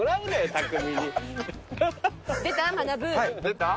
出た？